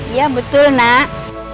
iya betul nak